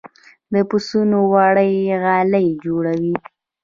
د پسونو وړۍ غالۍ جوړوي